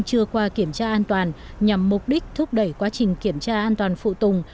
chưa qua kiểm tra an toàn nhằm mục đích thúc đẩy quá trình kiểm tra an toàn phụ tùng